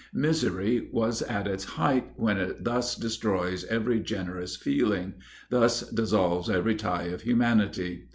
Misery is at its height when it thus destroys every generous feeling, thus dissolves every tie of humanity!